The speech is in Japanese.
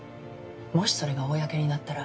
もしそれが公になったら。